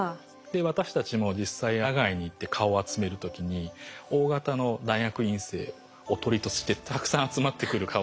私たちも実際野外に行って蚊を集める時にＯ型の大学院生おとりとしてたくさん集まってくる蚊をですね